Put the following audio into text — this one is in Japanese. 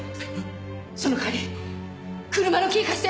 その代わり車のキー貸して！